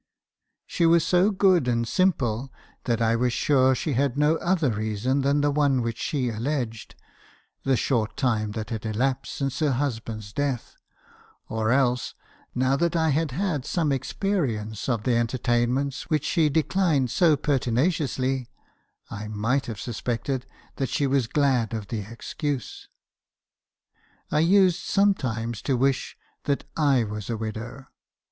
She was so good and simple, that I was sure she had no other reason than the one which she alleged — the short time that had elapsed since her husband's death; or else, now that I had had some experience of the entertainments which she declined so pertinaciously, I might have suspected that she was glad of the excuse. I used sometimes to wish that I was a widow.